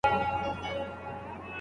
نقيبه وه نقيبه! خبر نه راتلی د خدای